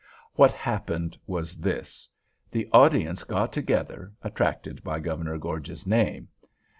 What happened was this: The audience got together, attracted by Governor Gorges's name.